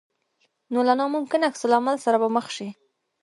نو له ناممکن عکس العمل سره به مخ شې.